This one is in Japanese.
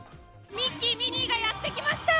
ミッキー、ミニーがやってきました！